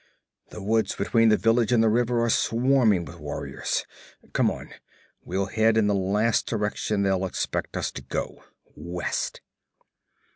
'The woods between the village and the river are swarming with warriors. Come on! We'll head in the last direction they'll expect us to go west!'